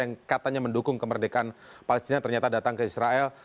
yang katanya mendukung kemerdekaan palestina ternyata datang ke israel